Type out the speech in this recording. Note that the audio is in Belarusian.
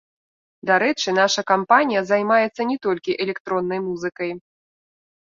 Дарэчы, наша кампанія займаецца не толькі электроннай музыкаў.